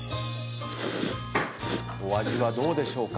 お味はどうでしょうか？